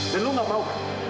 dan lo gak mau kan